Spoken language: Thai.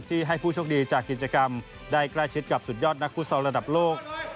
ให้ผู้โชคดีจากกิจกรรมได้ใกล้ชิดกับสุดยอดนักฟุตซอลระดับโลก